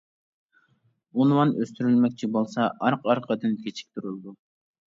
ئۇنۋان ئۆستۈرۈلمەكچى بولسا ئارقا ئارقىدىن كېچىكتۈرۈلىدۇ.